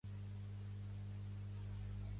Per quina raó es va fraccionar Convergiència i Unió?